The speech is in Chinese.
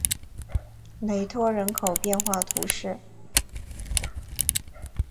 雷托人口变化图示